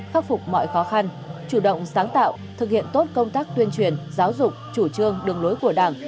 khắc phục mọi khó khăn chủ động sáng tạo thực hiện tốt công tác tuyên truyền giáo dục chủ trương đường lối của đảng